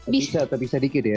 bisa tapi sedikit ya